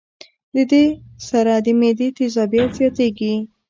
د دې سره د معدې تېزابيت زياتيږي